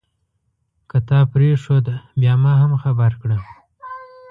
که تا پرېښود بیا ما هم خبر کړه.